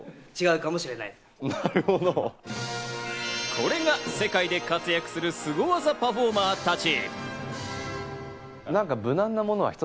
これが世界で活躍するスゴ技パフォーマーたち。